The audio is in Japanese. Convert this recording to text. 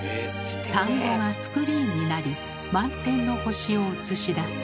田んぼがスクリーンになり満天の星を映し出す。